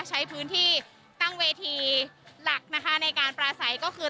ใช้พื้นที่ตั้งเวทีหลักนะคะในการปลาใสก็คือ